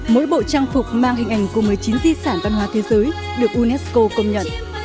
mỗi bộ trang phục mang hình ảnh của một mươi chín di sản văn hóa thế giới được unesco công nhận